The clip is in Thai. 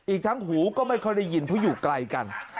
อีกทั้งหูก็ไม่ค่อยได้ยินเพราะอยู่ไกลกัน